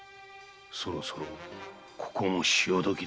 そろそろここも潮時だ。